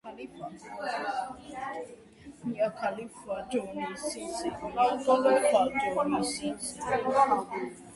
თქვენზე მაგარი ვარ{დაჩი}